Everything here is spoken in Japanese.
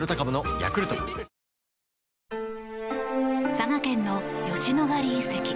佐賀県の吉野ヶ里遺跡。